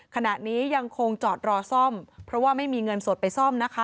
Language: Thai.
ขณะนี้ยังคงจอดรอซ่อมเพราะว่าไม่มีเงินสดไปซ่อมนะคะ